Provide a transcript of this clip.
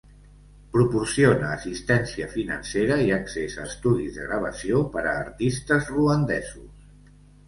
Proporciona assistència financera i accés a estudis de gravació per a artistes ruandesos.